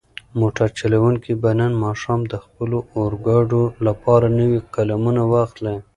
موټر چلونکی به نن ماښام د خپلو لورګانو لپاره نوې قلمونه واخلي.